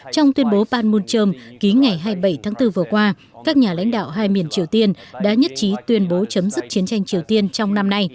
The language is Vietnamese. trong tuyên bố panmunjom ký ngày hai mươi bảy tháng bốn vừa qua các nhà lãnh đạo hai miền triều tiên đã nhất trí tuyên bố chấm dứt chiến tranh triều tiên trong năm nay